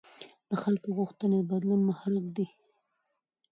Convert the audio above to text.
د خلکو غوښتنې د بدلون محرک دي